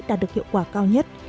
đã được hiệu quả cao nhất